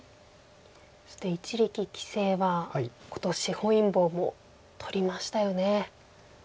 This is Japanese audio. そして一力棋聖は今年本因坊を取りましたよね。